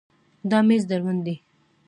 دا مېز دروند دی.